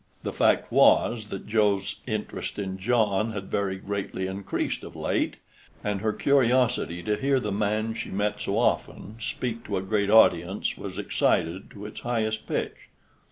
The fact was that Joe's interest in John had very greatly increased of late, and her curiosity to hear the man she met so often speak to a great audience was excited to its highest pitch.